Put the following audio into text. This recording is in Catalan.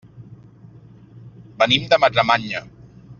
Venim de Madremanya.